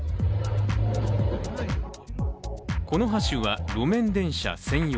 この橋は路面電車専用。